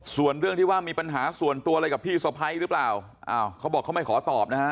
ส่วนเรื่องที่ว่ามีปัญหาส่วนตัวอะไรกับพี่สะพ้ายหรือเปล่าอ้าวเขาบอกเขาไม่ขอตอบนะฮะ